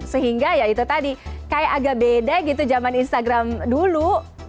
sehingga ya itu tadi kayak agak beda gitu zaman instagram dulu